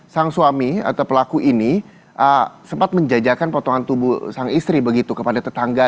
sang suami atau pelaku ini sempat menjajakan potongan tubuh sang istri begitu kepada tetangga